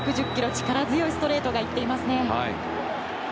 力強いストレートがいっていますね。